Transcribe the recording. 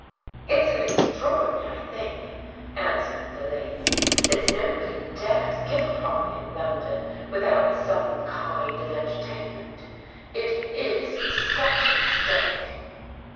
"It's an extraordinary thing," answered the lady, "that nobody dares give a party in London without some kind of entertainment. It is such a mistake!"